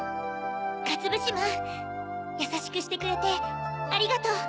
かつぶしまんやさしくしてくれてありがとう。